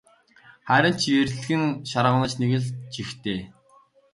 Харин ч эрхлэн шарваганаж нэг л жигтэй.